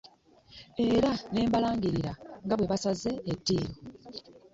Era ne balangirira nga bwe basaze eddiiro.